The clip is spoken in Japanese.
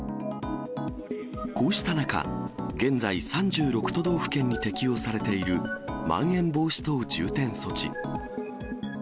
こうした中、現在、３６都道府県に適用されているまん延防止等重点措置。